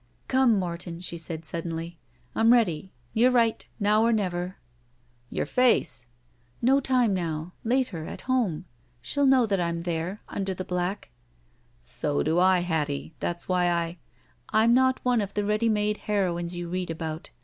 "Come, Morton," she said, suddenly. "I'm ready. You're right, now or never." "Your face!" •172 THE SMUDGE "No time now. Later — ^athome! She'll know that I'm there — ^imder the black!" "So do I, Hattie. That's why I—" "I'm not one of the ready made heroines you read about.